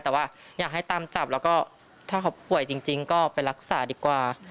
แต่ว่าอยากให้ตามจับแล้วก็ถ้าเขาป่วยจริงก็ไปรักษาดีกว่า